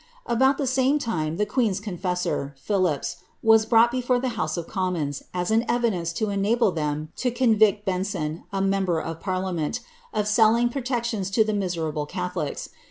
About the same time the queen^s confessor, Phillipps, was brought before the House of Commons, as an evidence to enable them to convict Benson, a member of parliament, of selling protections to the miserable catholics.